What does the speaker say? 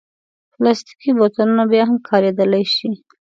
پلاستيکي بوتلونه بیا هم کارېدلی شي.